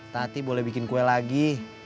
tati boleh bikin kue lagi